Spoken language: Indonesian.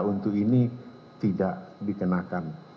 untuk ini tidak dikenakan